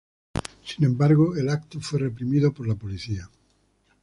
Sin embargo, el evento fue reprimido por la policía.